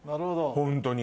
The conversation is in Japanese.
ホントに。